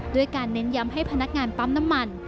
ด้วยการเน้นย้ำให้พนักงานปั๊มน้ำมัน